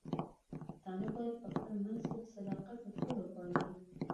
پښتانه بايد په خپل منځ کې د صداقت اصول وپالي.